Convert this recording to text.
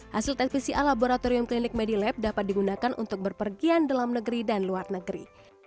hasil tes pcr laboratorium klinik medilab dapat digunakan untuk berpergian dalam negeri dan luar negeri